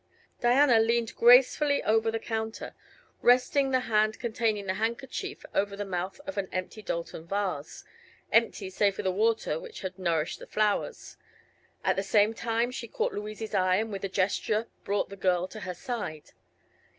Diana leaned gracefully over the counter, resting the hand containing the handkerchief over the mouth of an empty Doulton vase empty save for the water which had nourished the flowers. At the same time she caught Louise's eye and with a gesture brought the girl to her side.